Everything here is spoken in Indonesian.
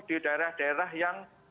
di daerah daerah yang